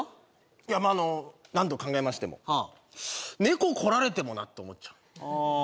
いやまぁあの何度考えましても猫来られてもなと思っちゃうあ